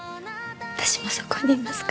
私もそこにいますから。